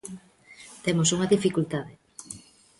Temos unha dificultade.